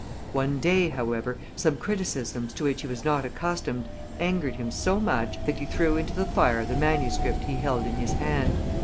One day, however, some criticisms to which he was not accustomed angered him so much, that he threw into the fire the manuscript he held in his hand.